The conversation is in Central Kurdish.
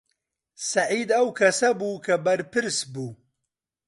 سەعید ئەو کەسە بوو کە بەرپرس بوو.